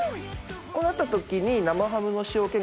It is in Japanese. こうなった時に。